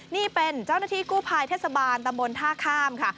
นี่เป็นเจ้าหน้าที่กู้ภัยเทศบาลตำบลท่าข้ามค่ะ